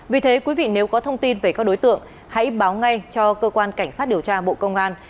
vì thế quý vị nếu có thông tin về các đối tượng hãy báo ngay cho cơ quan cảnh sát điều tra bộ công an